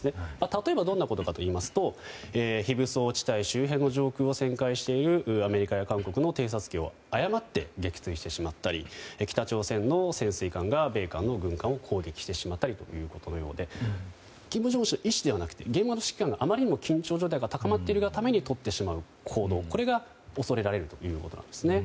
例えばどんなことかといいいますと非武装地帯周辺上空を旋回しているアメリカや韓国の偵察機を誤って撃墜してしまったり北朝鮮の潜水艦が米韓の軍艦を攻撃してしまったりということで金正恩氏の意思ではなくて現場の指揮官があまりにも緊張感が高まってしまっているあまりにとってしまう行動が恐れられるということです。